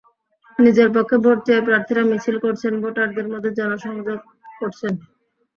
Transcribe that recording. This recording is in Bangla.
নিজের পক্ষে ভোট চেয়ে প্রার্থীরা মিছিল করেছেন, ভোটারদের মধ্যে জনসংযোগ করছেন।